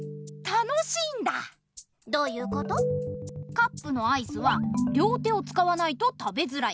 カップのアイスはりょう手をつかわないと食べづらい。